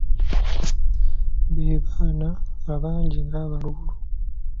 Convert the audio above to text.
Be baana abangi nga balalu.